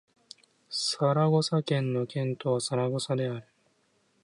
サラゴサ県の県都はサラゴサである